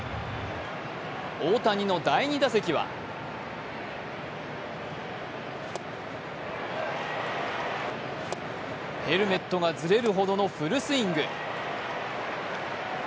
大谷の第２打席はヘルメットがずれるほどのフルスイング。